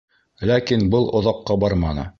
Ләкин был оҙаҡҡа барманы.